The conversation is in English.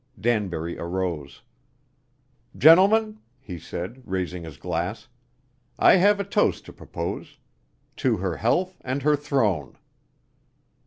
Danbury arose. "Gentlemen," he said, raising his glass, "I have a toast to propose: to Her health and Her throne."